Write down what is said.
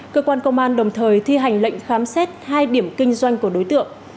cơ quan công an đồng thời thi hành lệnh khám xét hai điểm kinh doanh của đối tượng